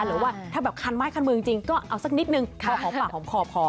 หรือว่าถ้าแบบคันไม้คันมือจริงก็เอาสักนิดนึงพอหอมปากหอมคอพอ